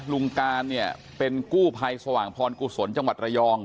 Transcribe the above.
ลุงการเนี่ยเป็นกู้ภัยสว่างพรกุศลจังหวัดระยอง